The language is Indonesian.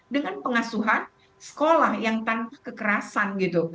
dengan pengasuhan sekolah yang tanpa kekerasan gitu